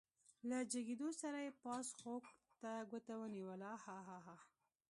له جګېدو سره يې پاس خوړ ته ګوته ونيوله عاعاعا.